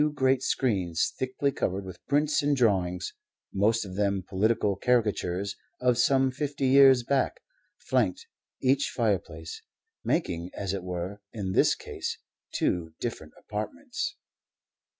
Two great screens, thickly covered with prints and drawings, most of them political caricatures of some fifty years back, flanked each fireplace, making, as it were, in this case two different apartments.